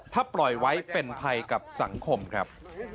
ถ้าปล่อยไว้เป็นภัยกับสังคมครับ